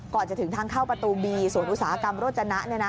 ก่อนจะถึงทางเข้าประตูบีศูนย์อุตสาหกรรมโรจนะ